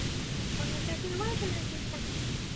パソコンの調子が悪くなってきた。